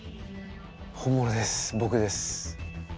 本物です僕です。